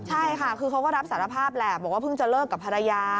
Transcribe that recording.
ใช่ค่ะคือเขาก็รับสารภาพแหละบอกว่าเพิ่งจะเลิกกับภรรยา